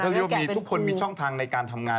เรียกว่ามีทุกคนมีช่องทางในการทำงาน